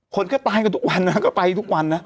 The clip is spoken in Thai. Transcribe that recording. คนก็ตายกันทุกวันนะก็ไปทุกวันนะ